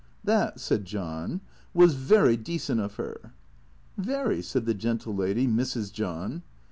" That," said John, " was very decent of her." " "Very," said the gentle lady, Mrs. John.